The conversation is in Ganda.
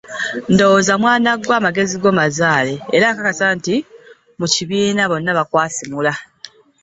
Ndowooza mwana gwe amagezi go mazaale era nkakasa nti mu kibiina bonna bakwasimula.